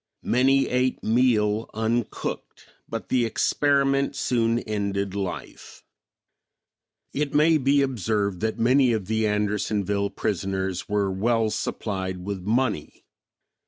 Many ate meal uncooked, but the experiment soon ended life. It may be observed that many of the Andersonville prisoners were well supplied with money.